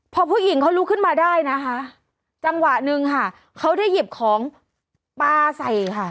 พอผู้หญิงเขาลุกขึ้นมาได้นะคะจังหวะหนึ่งค่ะเขาได้หยิบของปลาใส่ค่ะ